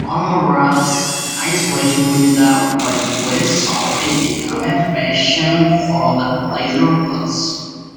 Commorragh's isolation within the webway saw it become a bastion for the pleasure cults.